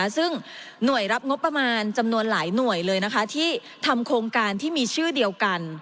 ซึ่งหน่วยรับงบประมาณจำนวนหลายหน่วยเลยที่ทำโครงการที่มีชื่อเดียวกัน